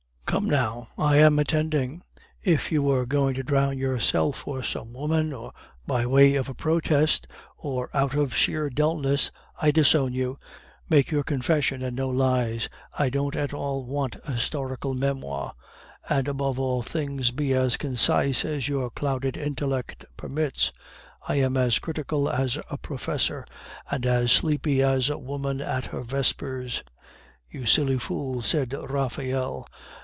Come now, I am attending! If you were going to drown yourself for some woman, or by way of a protest, or out of sheer dulness, I disown you. Make your confession, and no lies! I don't at all want a historical memoir. And, above all things, be as concise as your clouded intellect permits; I am as critical as a professor, and as sleepy as a woman at her vespers." "You silly fool!" said Raphael.